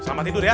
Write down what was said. selamat tidur ya